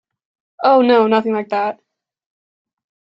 Oh, no, nothing like that!